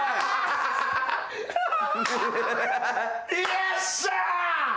よっしゃー！